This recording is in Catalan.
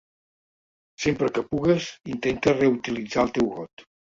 Sempre que pugues, intenta reutilitzar el teu got.